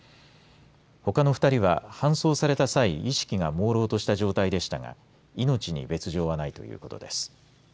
ほかの２人は搬送された際意識がもうろうとした状態でしたが命に別状はないということです。